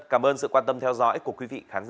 cảm ơn sự quan tâm theo dõi của quý vị khán giả